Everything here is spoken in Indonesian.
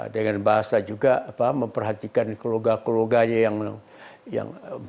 dengan bahasa juga memperhatikan keluarga keluarganya yang